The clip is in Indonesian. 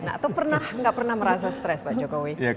atau enggak pernah merasa stress pak jokowi